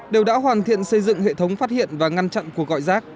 đều đã hoàn thiện xây dựng hệ thống phát hiện và ngăn chặn cuộc gọi rác